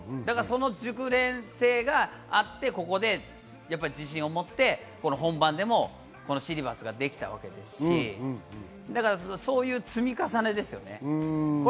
熟練性があって、ここで自信を持って、本番でもシリバスができたわけですし、積み重ねですよね。